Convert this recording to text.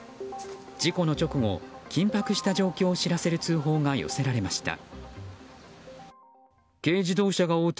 事故の直後、緊迫した状況を知らせる通報が寄せられました。